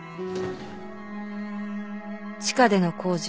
地下での工事。